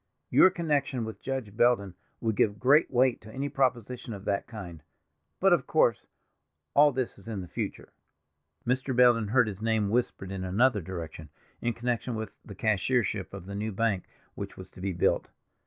Your connection with Judge Belden would give great weight to any proposition of that kind. But, of course, all this is in the future." Mr. Belden heard his name whispered in another direction, in connection with the cashiership of the new bank which was to be built.